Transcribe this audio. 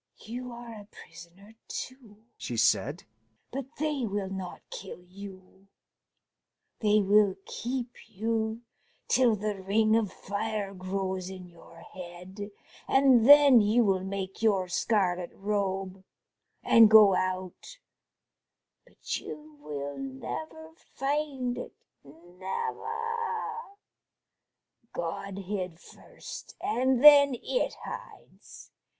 "You are a prisoner, too," she said; "but they will not kill you: they will keep you till the ring of fire grows in your head, and then you will make your scarlet robe, and go out, but you will never find It never. God hid first, and then It hides....